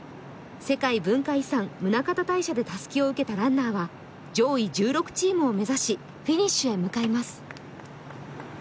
世界文化遺産、宗像大社でたすきを受けたランナーは上位１６チームを目指し、フィニッシュへ向かいます。